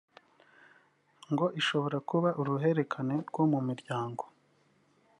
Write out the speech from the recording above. ngo ishobora kuba uruhererekane rwo mu miryango